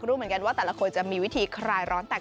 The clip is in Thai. ซึ่งเป็นสัตว์ที่เคี่ยวร้อนสุด